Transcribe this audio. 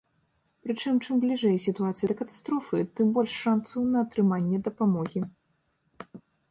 Прычым, чым бліжэй сітуацыя да катастрофы, тым больш шанцаў на атрыманне дапамогі.